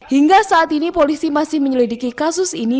hingga saat ini polisi masih menyelidiki kasus ini